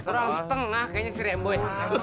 rang setengah kayaknya si remboy